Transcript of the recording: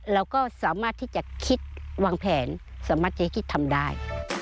เราก็สามารถที่จะคิดวางแผนสามารถจะคิดทำได้